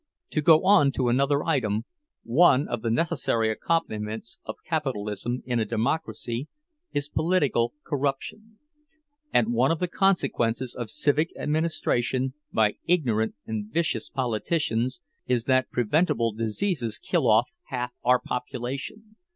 —To go on to another item—one of the necessary accompaniments of capitalism in a democracy is political corruption; and one of the consequences of civic administration by ignorant and vicious politicians, is that preventable diseases kill off half our population.